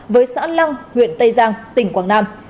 với xã lăng huyện tây giang tỉnh quảng nam